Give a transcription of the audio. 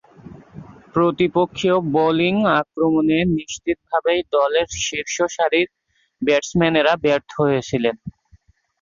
প্রতিপক্ষীয় bowling আক্রমণে নিশ্চিতভাবেই দলের শীর্ষসারির ব্যাটসম্যানেরা ব্যর্থ হয়েছিলেন।